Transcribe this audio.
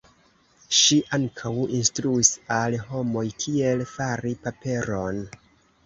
Ŝi ankaŭ instruis al homoj kiel fari paperon.